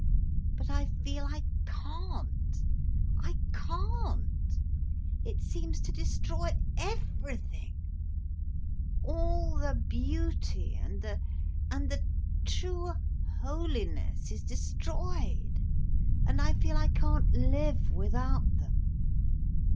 But I feel I can't—I can't. It seems to destroy everything. All the beauty and the—and the true holiness is destroyed—and I feel I can't live without them."